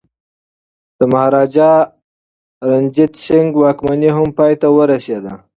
د مهاراجا رنجیت سنګ واکمني هم پای ته ورسیده.